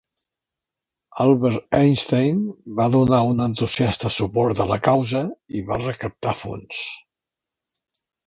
Albert Einstein va donar un entusiasta suport a la causa i va recaptar fons.